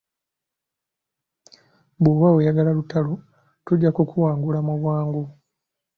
Bw'oba oyagala lutalo tujja kukuwangula mu bwangu.